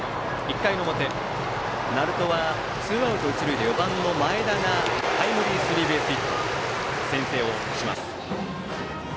１回の表鳴門はツーアウト、一塁で４番の前田のタイムリースリーベースヒットで先制をします。